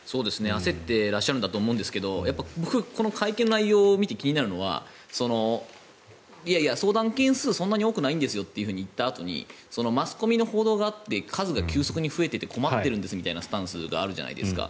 焦ってらっしゃるんだと思いますけど僕、会見の内容を見て気になるのはいやいや、相談件数がそんなに多くないんですよと言ったあとにマスコミの報道があって数が急速に増えて困ってるんですみたいなスタンスがあるじゃないですか。